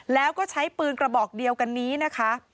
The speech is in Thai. แล้วก็ใช้ปืนกระบอกเดียวกันนี้นะคะ